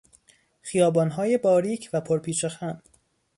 خیابانهای باریک و پرپیچ و خم